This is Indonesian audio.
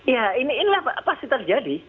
ya ini pasti terjadi